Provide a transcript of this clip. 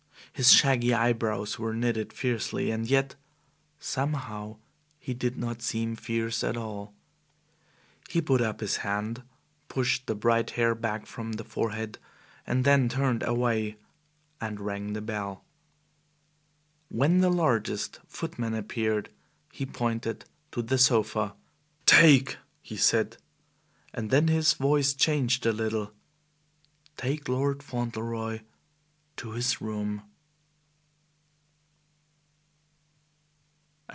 His shaggy eyebrows were knitted fiercely, and yet somehow he did not seem fierce at all. He put up his hand, pushed the bright hair back from the forehead, and then turned away and rang the bell. When the largest footman appeared, he pointed to the sofa. "Take" he said, and then his voice changed a little "take Lord Fauntleroy to his room."